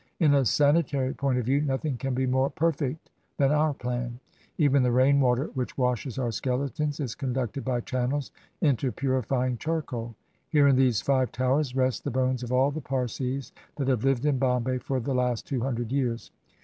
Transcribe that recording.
In a sanitary point of view nothing can be more perfect than our plan. Even the rain water which washes our skeletons is conducted by channels into purifjdng charcoal. Here in these five Towers rest the bones of all the Parsis that have Hved in Bombay for the last two hundred years.